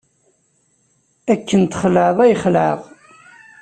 Akken txelɛeḍ i xelɛeɣ.